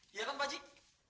iya kan pakcik